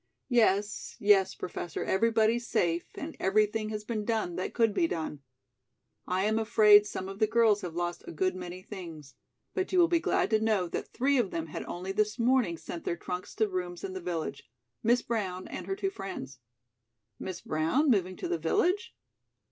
"Yes, yes, Professor, everybody's safe and everything has been done that could be done. I am afraid some of the girls have lost a good many things, but you will be glad to know that three of them had only this morning sent their trunks to rooms in the village Miss Brown and her two friends." "Miss Brown moving to the village?"